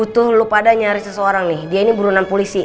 tuh lo pada nyaris seseorang nih dia ini burunan polisi